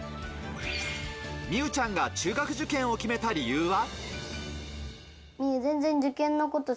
美羽ちゃんが中学受験を決めた理由は？